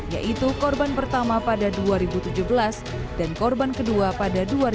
yaitu korban pertama pada dua ribu tujuh belas dan korban kedua pada dua ribu delapan belas